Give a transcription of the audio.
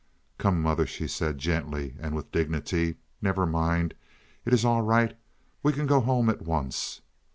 "Come, mother," she said, gently, and with dignity; "never mind, it is all right. We can go home at once.